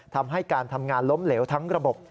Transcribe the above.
ทำให้การทำงานล้มเหลวทั้งระบบ